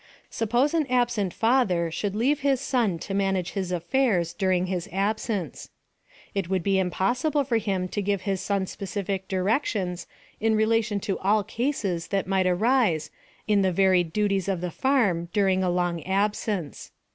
Suppose an absent father should leave hia son to manage his affairs during his absence. It would be impossible for him to give his son specific directions in relation to all cases that might arise in ihe varied duties of the farm during a long ab sence.